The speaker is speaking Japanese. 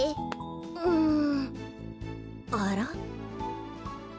うんあら？